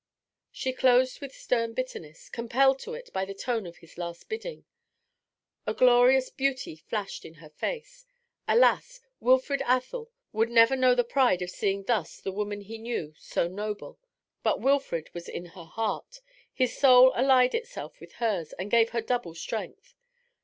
She closed with stern bitterness, compelled to it by the tone of his last bidding. A glorious beauty flashed in her face. Alas, Wilfrid Athel would never know the pride of seeing thus the woman he knew so noble. But Wilfrid was in her heart; his soul allied itself with hers and gave her double strength.